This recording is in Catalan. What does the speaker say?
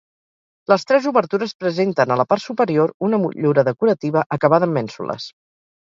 Les tres obertures presenten, a la part superior, una motllura decorativa acabada en mènsules.